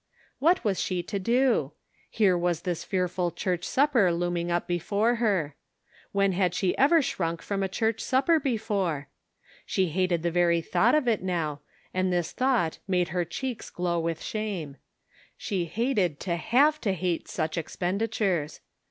What was she to do ? Here was this fearful church supper looming up before her. When had she ever shrank from a church sup per before? She hated the very thought of it now, and this thought made her cheeks glow with shame. She hated to have to hate such expenditures.